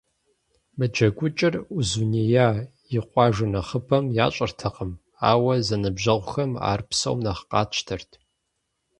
Мы джэгукӏэр Узуняйла и къуажэ нэхъыбэм ящӏэртэкъым, ауэ зэныбжьэгъухэм ар псом нэхъ къатщтэрт.